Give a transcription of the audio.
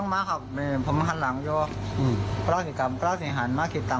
อำคารใหม่มาก่อน